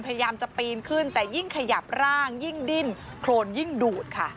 พยายามจะปีนขึ้นแต่ยิ่งขยับร่างยิ่งดิ้นโครนยิ่งดูดค่ะ